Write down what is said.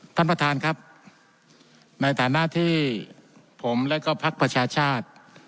ท่านประธานครับในฐานะที่ผมและก็พักประชาชาติ